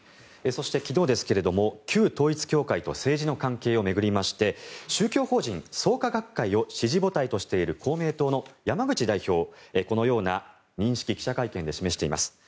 そして、昨日ですが旧統一教会と政治の関係を巡りまして宗教法人、創価学会を支持母体としている公明党の山口代表、このような認識記者会見で示しています。